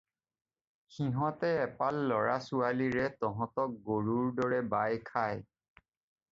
সিহঁতে এপাল ল'ৰা-ছোৱালীৰে তহঁতক গৰুৰ দৰে বাই খাব।